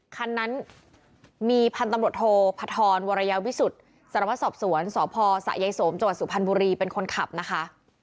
คันนั้นมีพันธ์ตำรวจโทพัทธรวรรยาววิสุทธิ์สรรวสอบสวรรค์สพสะยายสมจสุพรรณบุรีเป็นคนขับนะคะ